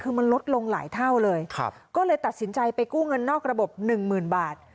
คือมันลดลงหลายเท่าเลยก็เลยตัดสินใจไปกู้เงินนอกระบบหนึ่งหมื่นบาท